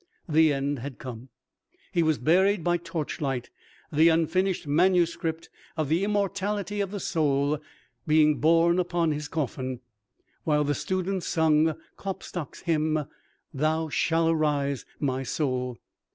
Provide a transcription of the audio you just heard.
The end had come. He was buried by torchlight, the unfinished manuscript of the "Immortality of the Soul" being borne upon his coffin, while the students sung Klopstock's hymn, "Thou shalt arise, my Soul."